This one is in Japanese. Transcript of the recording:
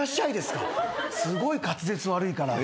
すごい滑舌悪いから。